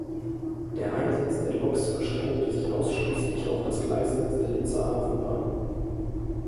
Der Einsatz der Loks beschränkte sich ausschließlich auf das Gleisnetz der Linzer Hafenbahn.